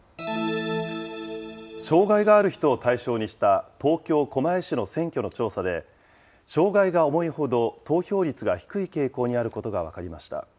障害がある人を対象にした東京・狛江市の選挙の調査で、障害が重いほど投票率が低い傾向にあることが分かりました。